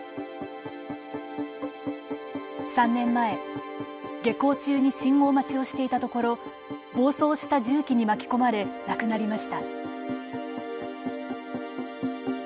３年前、下校中に信号待ちをしていたところ暴走した重機に巻き込まれ亡くなりました。